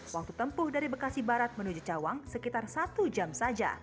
waktu tempuh dari bekasi barat menuju cawang sekitar satu jam saja